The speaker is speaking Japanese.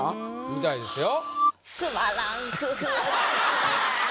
みたいですよ。